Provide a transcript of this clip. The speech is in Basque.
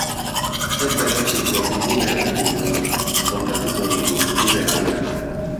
Ze perretxiko bildu behar ditugun kontatuko digu gure lagunak.